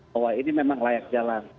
kalau masalah ini memang layak jalan